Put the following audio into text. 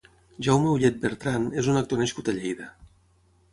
Jaume Ulled Bertran és un actor nascut a Lleida.